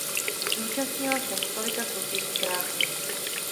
Zúčastnila se několika soutěží krásy.